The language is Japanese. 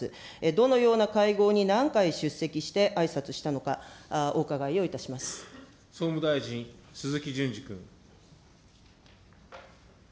どのような会合に何回出席して、あいさつしたのか、総務大臣、鈴木淳司君。